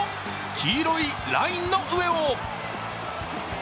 黄色いラインの上を。